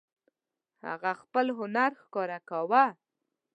هغه خپل هنر ښکاره کاوه.